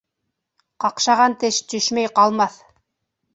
Ҡаҡшаған теш төшмәй ҡалмаҫ.